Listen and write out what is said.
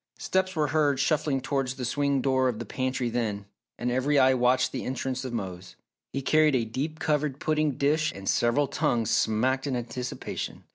Steps were heard shuffling towards the swing door of the pantry then, and every eye watched the entrance of Mose. He carried a deep covered pudding dish and several tongues smacked in anticipation.